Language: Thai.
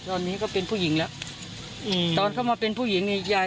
จี๊ดฮัตต่อยไหม